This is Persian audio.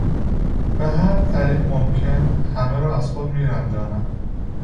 به هر طریق ممکن همه را از خود میرنجاند.